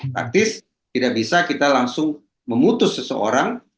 praktis tidak bisa kita langsung memutus seseorang